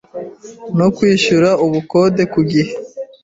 no kwishyura ubukode ku gihe